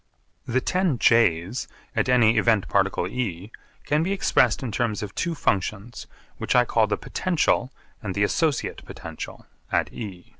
The ten J's at any event particle E can be expressed in terms of two functions which I call the potential and the 'associate potential' at E.